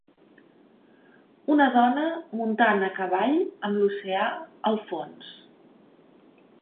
Una dona muntant a cavall amb l'oceà al fons.